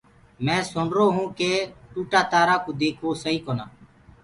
مينٚ سُرو هونٚ ڪي ٽوٽآ تآرآ ڪوُ ديگھوآ سئي ڪونآ۔